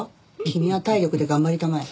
君は体力で頑張りたまえ。